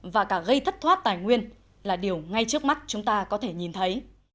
và cả gây thất thoát tài nguyên là điều ngay trước mắt chúng ta có thể nhìn thấy